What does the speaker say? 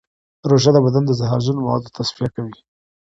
روژه د بدن د زهرجنو موادو تصفیه کوي.